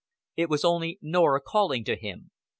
It was only Norah calling to him.